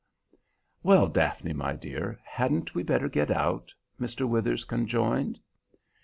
"Well, Daphne, my dear, hadn't we better get out?" Mr. Withers conjoined.